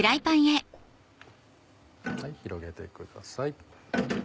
広げてください。